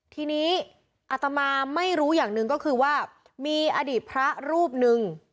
ทีนี้อัตมาไม่รู้อย่างหนึ่งก็คือว่ามีอดีตพระรูปหนึ่ง